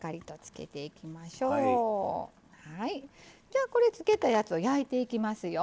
じゃあこれつけたやつを焼いていきますよ。